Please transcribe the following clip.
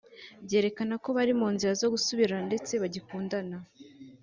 byerekana ko bari mu nzira zo gusubirana ndetse bagikundana